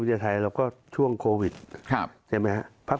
พพุทธภัยอาโหลก็ช่วงโควิดใช่ไหมครับ